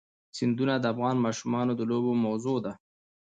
سیندونه د افغان ماشومانو د لوبو موضوع ده.